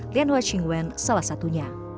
lian hua qingwen salah satunya